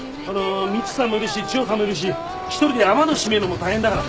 ミチさんもいるしチヨさんもいるし１人で雨戸閉めるのも大変だから。